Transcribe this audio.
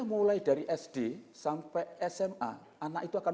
mulai dari sd sampai sma anak itu akan